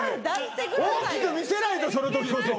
大きく見せないとそのときこそ。